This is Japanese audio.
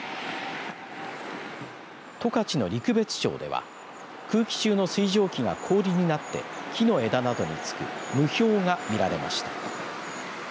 十勝の陸別町では空気中の水蒸気が氷になって木の枝などにつく霧氷が見られました。